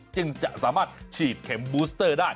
จึงจะสามารถฉีดเข็มบูสเตอร์ได้